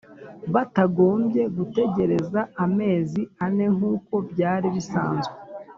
batagombye gutegereza amezi ane nk’ uko byari bisanzwe